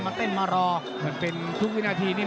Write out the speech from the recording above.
มันต้องอย่างงี้มันต้องอย่างงี้